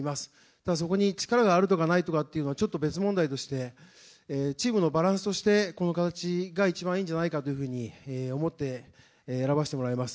ただそこに力があるとかないとかっていうのはちょっと別問題として、チームのバランスとして、この形が一番いいんじゃないかというふうに思って選ばせてもらいます。